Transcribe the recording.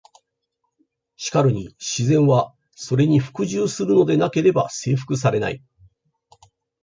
しかるに「自然は、それに服従するのでなければ征服されない」。